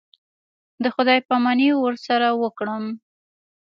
د خداى پاماني ورسره وكړم.